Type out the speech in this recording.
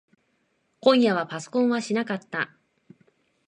今夜はパソコンはしなかった。